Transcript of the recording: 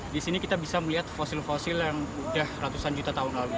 di sini kita bisa melihat fosil fosil yang sudah ratusan juta tahun lalu